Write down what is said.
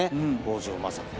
北条政子。